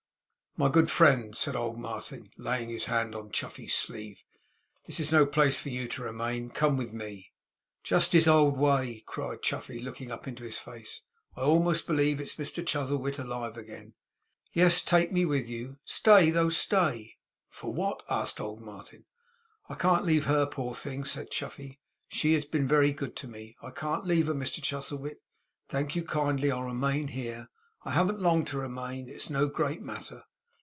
'My good friend!' said old Martin, laying his hand on Chuffey's sleeve. 'This is no place for you to remain in. Come with me.' 'Just his old way!' cried Chuffey, looking up into his face. 'I almost believe it's Mr Chuzzlewit alive again. Yes! Take me with you! Stay, though, stay.' 'For what?' asked old Martin. 'I can't leave her, poor thing!' said Chuffey. 'She has been very good to me. I can't leave her, Mr Chuzzlewit. Thank you kindly. I'll remain here. I haven't long to remain; it's no great matter.